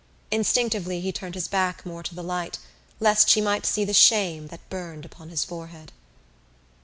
Instinctively he turned his back more to the light lest she might see the shame that burned upon his forehead.